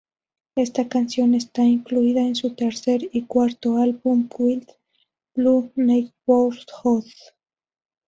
Esta canción está incluida en su tercer y cuarto álbum Wild, Blue Neighbourhood.